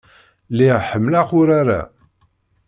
Lliɣ ḥemmleɣ urar-a.